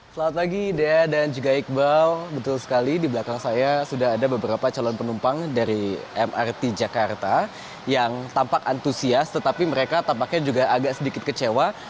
selamat pagi dea dan juga iqbal betul sekali di belakang saya sudah ada beberapa calon penumpang dari mrt jakarta yang tampak antusias tetapi mereka tampaknya juga agak sedikit kecewa